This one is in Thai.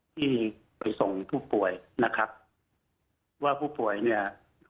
ที่ไปส่งผู้ป่วยนะครับว่าผู้ป่วยเนี่ย